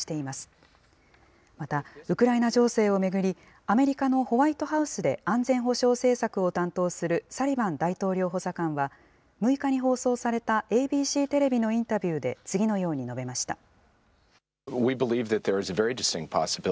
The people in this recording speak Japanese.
またウクライナ情勢を巡り、アメリカのホワイトハウスで安全保障政策を担当するサリバン大統領補佐官は、６日に放送されたＡＢＣテレビのインタビューで次のように述べました。